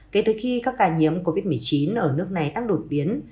kể từ khi các ca nhiễm covid một mươi chín ở nước này tăng đột biến